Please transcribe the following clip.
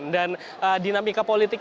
dan dinamika politik